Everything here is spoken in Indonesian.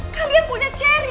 kalian punya ceri